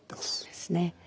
そうですね。